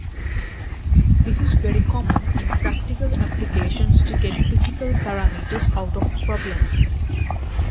This is very common in practical applications to get physical parameters out of problems.